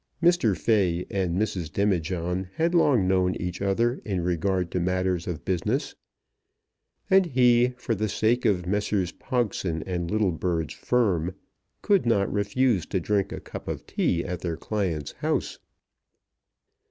Mr. Fay and Mrs. Demijohn had long known each other in regard to matters of business, and he, for the sake of Messrs. Pogson and Littlebird's firm, could not refuse to drink a cup of tea at their client's house.